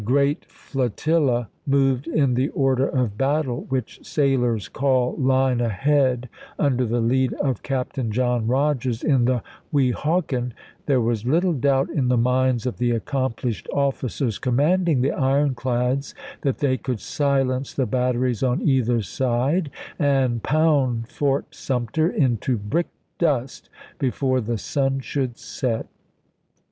great flotilla moved in the order of battle, which sailors call " line ahead," under the lead of Captain John Rodgers, in the Weehawken, there was little doubt in the minds of the accomplished officers commanding the ironclads that they could silence the batteries on either side and pound Fort Sumter into brick dust before the sun should set.